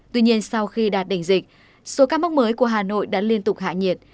tuy nhiên sau khi đạt đỉnh dịch số ca mắc mới của hà nội đã liên tục hạ nhiệt